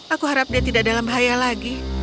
aku harap dia tidak dalam bahaya lagi